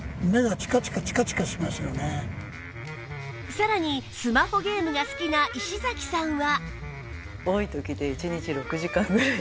さらにスマホゲームが好きな石崎さんは